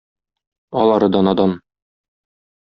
Алары да надан.